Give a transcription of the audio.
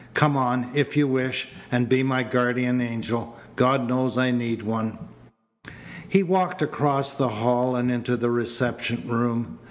"Come on, if you wish, and be my guardian angel. God knows I need one." He walked across the hall and into the reception room.